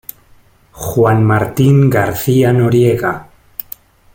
Juan Martín García Noriega.